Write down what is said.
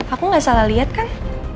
aku gak salah lihat kan